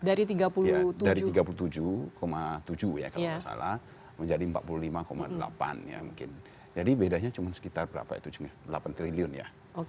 dari tiga puluh tujuh tujuh ya kalau tidak salah menjadi empat puluh lima delapan ya mungkin jadi bedanya cuma sekitar delapan triliun ya